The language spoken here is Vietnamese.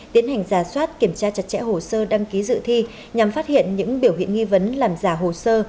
tiến hành giả soát kiểm tra chặt chẽ hồ sơ đăng ký dự thi nhằm phát hiện những biểu hiện nghi vấn làm giả hồ sơ